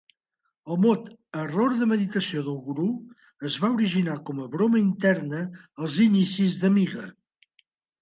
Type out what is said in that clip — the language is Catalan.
El mot "Error de meditació del gurú" es va originar com a broma interna als inicis d'Amiga.